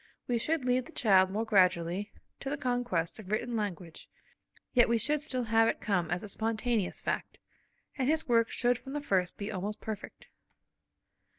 We should lead the child more gradually to the conquest of written language, yet we should still have it come as a spontaneous fact, and his work should from the first be almost perfect.